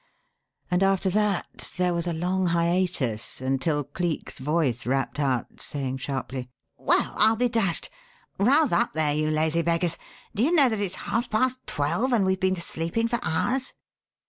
And after that there was a long hiatus until Cleek's voice rapped out saying sharply, "Well, I'll be dashed! Rouse up there, you lazy beggars. Do you know that it's half past twelve and we've been sleeping for hours?"